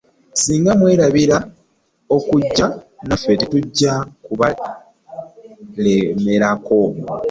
Ssinga mwerabira okujja naffe tetujja kubalemerako.